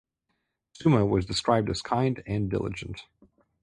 Suma was described as kind and diligent.